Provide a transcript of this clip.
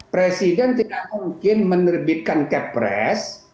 presiden tidak mungkin menerbitkan cap press